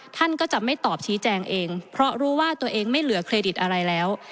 ท่านก็จะไม่ตอบชี้แจงเองเพราะรู้ว่าตัวเองไม่เหลือเครดิตอะไรแล้ว